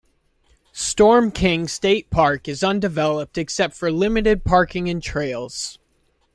Storm King State Park is undeveloped except for limited parking and trails.